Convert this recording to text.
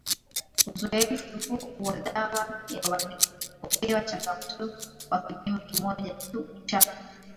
uzoevu wa dawa ya walipopewa changamoto kwa kipimo kimoja cha